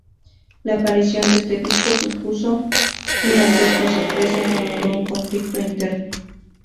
La aparición de este disco supuso una cierta sorpresa y generó un conflicto interno.